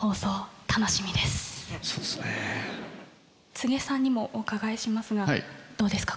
柘植さんにもお伺いしますがどうですか？